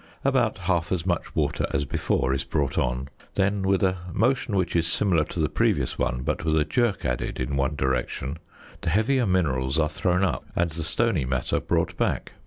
About half as much water as before is brought on; then, with a motion which is similar to the previous one, but with a jerk added in one direction, the heavier minerals are thrown up, and the stony matter brought back.